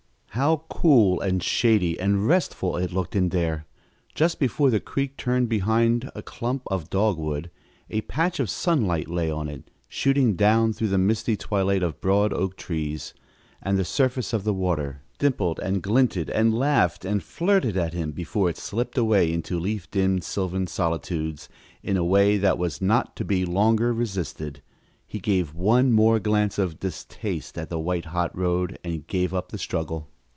How cool and shady and restful it looked in there! Just before the creek turned behind a clump of dogwood, a patch of sunlight lay on it, shooting down through the misty twilight of broad oak trees, and the surface of the water dimpled and glinted and laughed and flirted at him, before it slipped away into leaf dimmed sylvan solitudes, in a way that was not to be longer resisted. He gave one more glance of distaste at the white hot road and gave up the struggle.